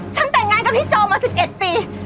ฉันแต่งงานกับพี่จอมมา๑๑ปี